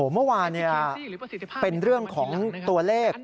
เมื่อวานเป็นเรื่องของตัวเลข